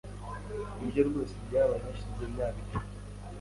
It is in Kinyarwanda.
Nibyo rwose byabaye hashize imyaka itatu .